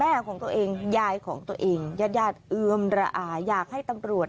ของตัวเองยายของตัวเองญาติญาติเอือมระอาอยากให้ตำรวจ